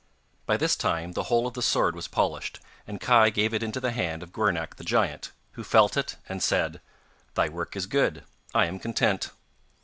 By this time the whole of the sword was polished, and Kai gave it into the hand of Gwrnach the giant, who felt it and said: 'Thy work is good; I am content.